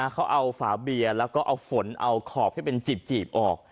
เขาเอาฝาเบียร์แล้วก็เอาฝนเอาขอบที่เป็นจีบออก